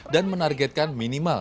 dan menargetkan minimal